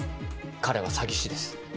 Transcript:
彼は詐欺師です。